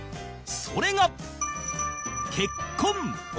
それが結婚